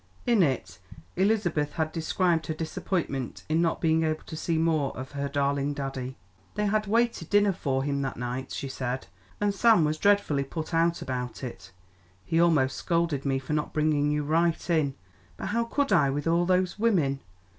In it Elizabeth had described her disappointment in not being able to see more of her darling daddy. They had waited dinner for him that night, she said, and Sam was dreadfully put out about it. "He almost scolded me for not bringing you right in. But how could I, with all those women?